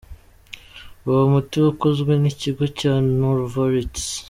Uwo muti wakozwe n’ikigo cya Novartis.